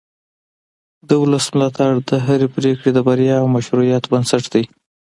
د ولس ملاتړ د هرې پرېکړې د بریا او مشروعیت بنسټ دی